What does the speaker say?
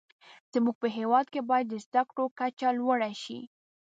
زموږ په هیواد کې باید د زده کړو کچه لوړه شې.